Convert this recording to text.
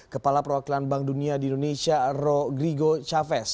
kepala perwakilan bank dunia di indonesia rodrigo chavez